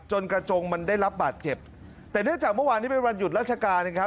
กระจงมันได้รับบาดเจ็บแต่เนื่องจากเมื่อวานนี้เป็นวันหยุดราชการนะครับ